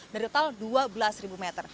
dari total dua belas meter